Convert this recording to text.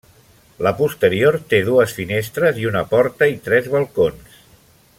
La posterior té dues finestres i una porta i tres balcons.